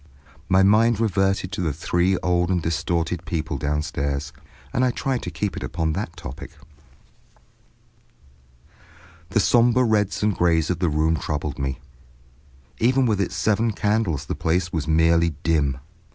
My mind reverted to the three old and distorted people downstairs, and I tried to keep it upon that topic. The sombre reds and grays of the room troubled me; even with its seven candles the place was merely dim.